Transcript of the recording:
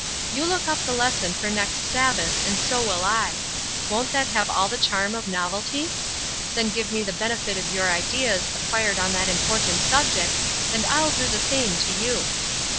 You look up the lesson for next Sabbath and so will I. Won't that have all the charm of novelty? Then give me the benefit of your ideas acquired on that important subject, and I'll do the same to you.